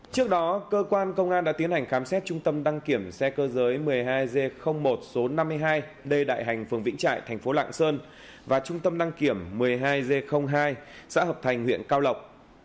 trước đó cơ quan công an đã tiến hành khám xét trung tâm đăng kiểm xe cơ giới một mươi hai g một số năm mươi hai lê đại hành phường vĩnh trại thành phố lạng sơn và trung tâm đăng kiểm một mươi hai g hai xã hợp thành huyện cao lộc